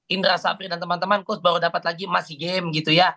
indra sapri dan teman teman coz baru dapat lagi emas sea games gitu ya